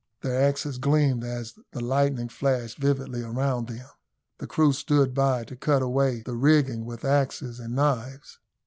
Their axes gleamed as the lightning flashed vividly around them. The crew stood by to cut away the rigging with axes and knives.